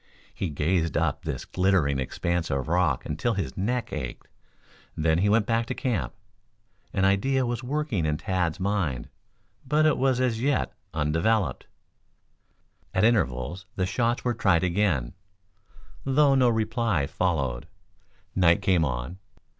He gazed up this glittering expanse of rock until his neck ached, then he went back to camp. An idea was working in Tad's mind, but it was as yet undeveloped. At intervals the shots were tried again, though no reply followed. Night came on.